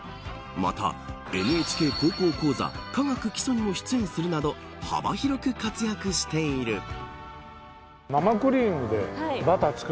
またＮＨＫ高校講座化学基礎にも出演するなど幅広く活躍している。